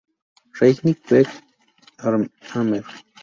Regni Veg., Amer.